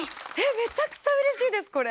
めちゃくちゃうれしいですこれ！